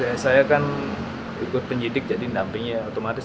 ya saya kan ikut penyidik jadi napingnya otomatis